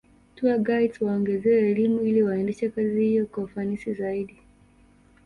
Tourguides waongezewe elimu ili waendeshe kazi hiyo kwa ufanisi zaidi